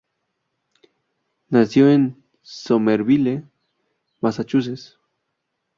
Nació en Somerville, Massachusetts.